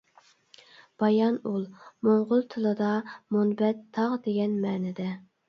«بايان ئۇل» موڭغۇل تىلىدا مۇنبەت تاغ دېگەن مەنىدە.